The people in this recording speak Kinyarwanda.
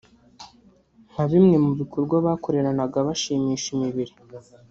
nka bimwe mu bikorwa bakoreranaga bashimisha imibiri